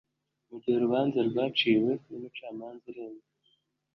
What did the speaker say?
mu gihe urubanza rwaciwe n umucamanza urenze